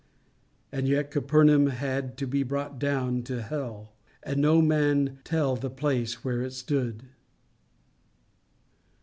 And yet Capernaum had to be brought down to hell, and no man can tell the place where it stood.